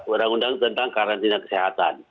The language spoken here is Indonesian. undang undang tentang karantina kesehatan